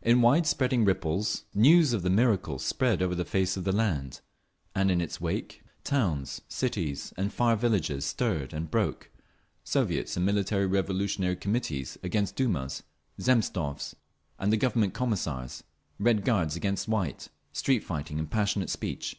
In wide spreading ripples news of the miracle spread over the face of the land, and in its wake towns, cities and far villages stirred and broke, Soviets and Military Revolutionary Committees against Dumas, Zemstvos and Government Commissars—Red Guards against White—street fighting and passionate speech….